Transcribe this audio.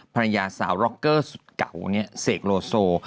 ภรรยาสาวร็อกเกอร์สุดเก่าเนี่ยเสกโลโซ